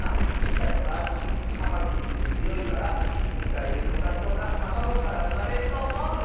みたことあるしカマキリってつよいからいしみたいでかたそうなたまごからうまれるとおもう！